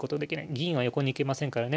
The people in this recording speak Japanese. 銀は横に行けませんからね